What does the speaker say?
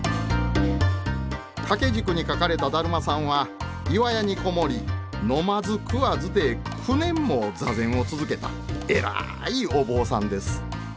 掛け軸に描かれた達磨さんは岩屋に籠もり飲まず食わずで９年も座禅を続けた偉いお坊さんです。